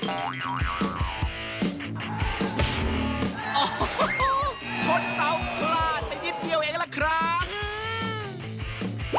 โอ้โหชนเสาพลาดไปนิดเดียวเองล่ะครับ